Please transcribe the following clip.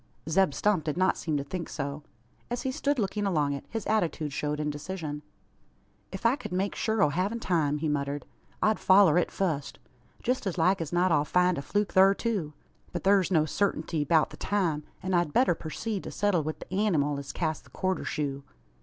Zeb Stump did not seem to think so. As he stood looking along it, his attitude showed indecision. "If I ked make shur o' havin' time," he muttered, "I'd foller it fust. Jest as like as not I'll find a fluke thur too. But thur's no sartinty 'beout the time, an I'd better purceed to settle wi' the anymal as cast the quarter shoe."